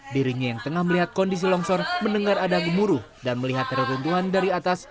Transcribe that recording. dirinya yang tengah melihat kondisi longsor mendengar ada gemuruh dan melihat reruntuhan dari atas